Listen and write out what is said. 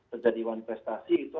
terjadi wanfestasi itu